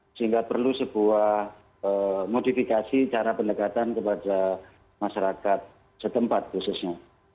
sehingga perlu sebuah modifikasi cara pendekatan kepada masyarakat setempat khususnya